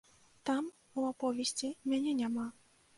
Там, у аповесці, мяне няма.